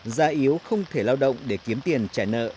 già yếu không thể lao động để kiếm tiền trả nợ